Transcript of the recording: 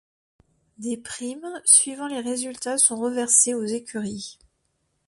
Des primes suivant les résultats sont reversées aux écuries.